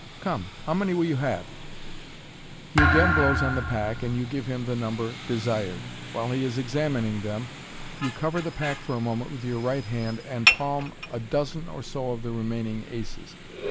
Come, how many will you have ?" He again blows on the pack, and you give him the number desired. While he is examining them, you covet the pack for a moment with your right hand, and palm a dozen or so of the remaining aces.